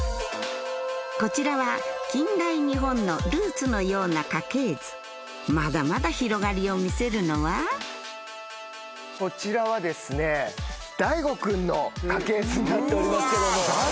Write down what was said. こちらは近代日本のルーツのような家系図まだまだ広がりを見せるのはこちらはＤＡＩＧＯ君の家系図になっておりますけども。